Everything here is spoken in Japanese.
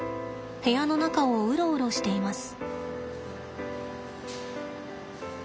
部屋の中をウロウロしています。